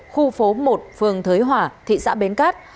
khu phố một phường thới hỏa thị xã bến cát